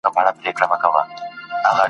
د غوايي څنګ ته یې ځان وو رسولی ..